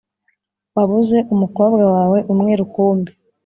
wabuze umukobwa wawe umwe rukumbi.